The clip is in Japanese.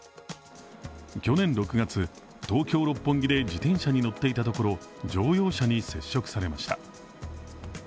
去年６月、東京・六本木で自転車に乗っていたところ乗用車に接触されました。